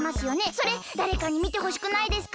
それだれかにみてほしくないですか？